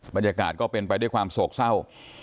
บรรยากาศก็เป็นไปด้วยความโศกเศร้า